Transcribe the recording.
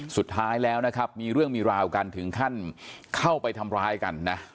สุดท้ายแล้วนะครับมีเรื่องมีราวกันถึงขั้นเข้าไปทำร้ายกันนะ